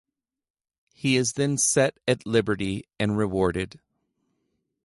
He is then set at liberty and rewarded.